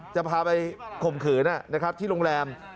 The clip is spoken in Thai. จะพาไปข่มขืนที่โรงแรม